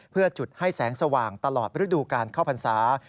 เพื่อจุดให้แสงสว่างตลอดฤดูการเข้าพรรษา